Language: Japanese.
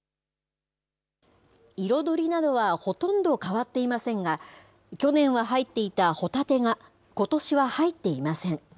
彩りなどはほとんど変わっていませんが、去年は入っていたホタテが、ことしは入っていません。